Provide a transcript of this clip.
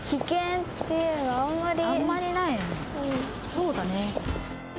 そうだね。